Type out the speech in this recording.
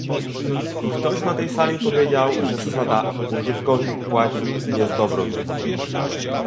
Ktoś na tej sali powiedział, że zasada "użytkownik płaci" jest dobrą zasadą